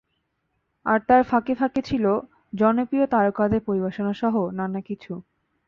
আর তার ফাঁকে ছিল জনপ্রিয় তারকাদের পরিবেশনাসহ নানা কিছু।